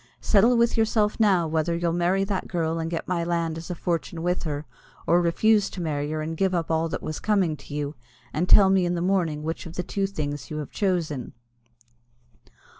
Settle with yourself now whether you'll marry that girl and get my land as a fortune with her, or refuse to marry her and give up all that was coming to you; and tell me in the morning which of the two things you have chosen."